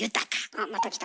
あまた来た。